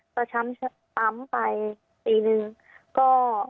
ประชำปั๊มไปปีหนึ่งก็